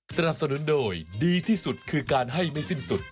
สนับสนุนโดยดีที่สุดคือการให้ไม่สิ้นสุด